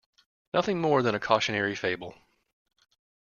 Nothing more than a cautionary fable.